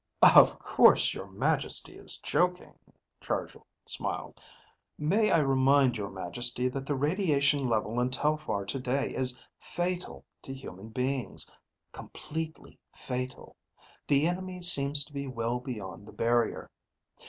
"Of course your Majesty is joking." Chargill smiled. "May I remind your Majesty that the radiation level in Telphar today is fatal to human beings. Completely fatal. The enemy seems to be well beyond the barrier.